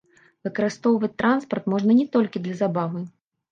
Выкарыстоўваць транспарт можна не толькі для забавы.